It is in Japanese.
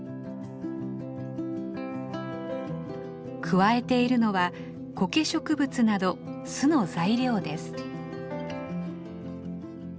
くわえているのはコケ植物など巣の材料です。